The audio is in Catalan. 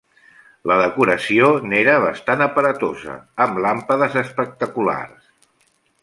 La decoració n'era bastant aparatosa, amb làmpades espectaculars.